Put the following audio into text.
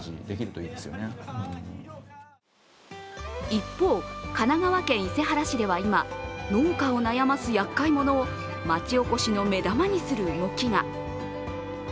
一方、神奈川県伊勢原市では今、農家を悩ますやっかい者を町おこしの目玉にする動きが。